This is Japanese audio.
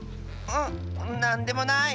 んなんでもない。